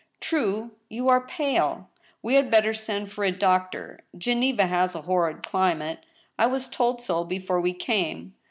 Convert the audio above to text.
" True, you are pale !... We had better send for a doctor. ... Geneva has a horrid climate ;... I was told so before we came.